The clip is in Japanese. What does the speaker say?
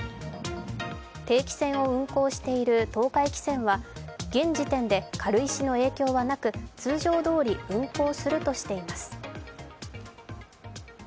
定期船を運航している東海汽船は現時点で軽石の影響はなく、通常どおり運行するとしています。